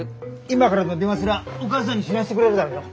今からでも電話すりゃお母さんに知らせてくれるだろうよ。